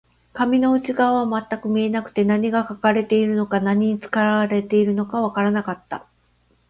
紙の内側は全く見えなくて、何が書かれているのか、何に使われていたのかわからなかった